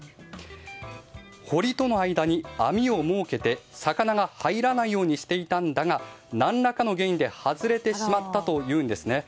堀との間に網を設けて魚が入らないようにしていたが何らかの原因で外れてしまったというんです。